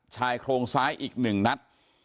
ชายโครงซ้ายอีก๑นัด